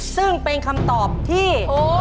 ซึ่งเป็นคำตอบที่